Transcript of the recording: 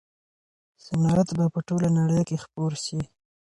صنعت به په ټوله نړۍ کي خپور سي.